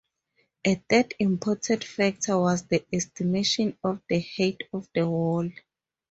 A third important factor was the estimation of the height of the wall.